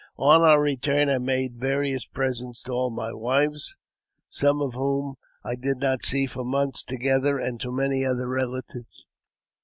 On our retm n I made various presents to all my wives, some of whom I did not see for months together, and to many other relatives.